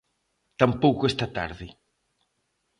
Tampouco esta tarde.